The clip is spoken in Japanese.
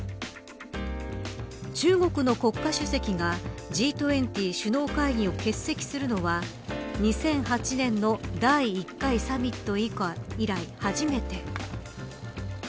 中国の国家主席がＧ２０首脳会議を欠席するのは２００８年の第１回サミット以来初めて。